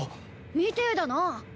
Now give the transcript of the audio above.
みてえだな。